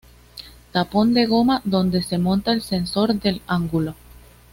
Tapón de goma donde se monta el sensor del ángulo.